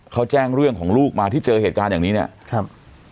เขาแจ้งเรื่องของลูกมาที่เจอเหตุการณ์อย่างนี้เนี่ยครับ